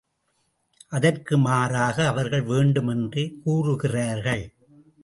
அதற்கு மாறாக அவர்கள் வேண்டும் என்றே கூறுகிறார்கள்.